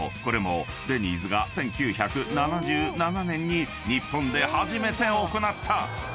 ［これもデニーズが１９７７年に日本で初めて行った］